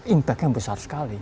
impact nya besar sekali